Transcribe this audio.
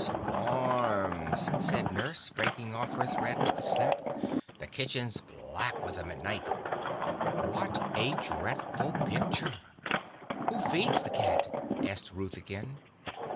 "Swarms!" said Nurse, breaking off her thread with a snap. "The kitchen's black with 'em at night." What a dreadful picture! "Who feeds the cat?" asked Ruth again.